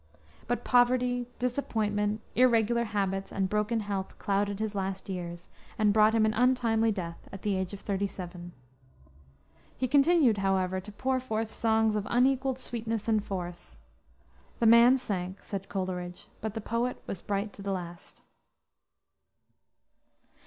But poverty, disappointment, irregular habits, and broken health clouded his last years, and brought him to an untimely death at the age of thirty seven. He continued, however, to pour forth songs of unequaled sweetness and force. "The man sank," said Coleridge, "but the poet was bright to the last."